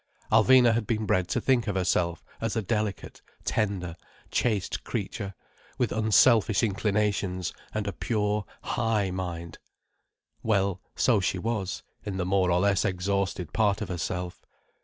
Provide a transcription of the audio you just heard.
Alvina had been bred to think of herself as a delicate, tender, chaste creature with unselfish inclinations and a pure, "high" mind. Well, so she was, in the more or less exhausted part of herself.